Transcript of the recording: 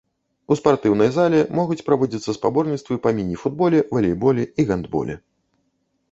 У спартыўнай зале могуць праводзіцца спаборніцтвы па міні-футболе, валейболе і гандболе.